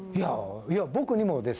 いや僕にもです